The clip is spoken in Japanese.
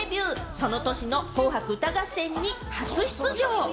その年の『紅白歌合戦』に初出場。